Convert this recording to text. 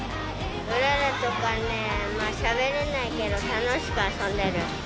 麗とかね、あんましゃべれないけど、楽しく遊んでる。